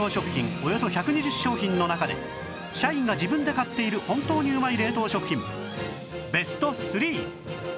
およそ１２０商品の中で社員が自分で買っている本当にうまい冷凍食品ベスト３